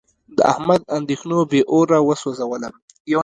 د احمد اندېښنو بې اوره و سوزولم.